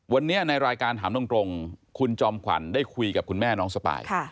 วันนี้ในรายการถามตรงคุณจอมขวัญได้คุยกับคุณแม่น้องสปาย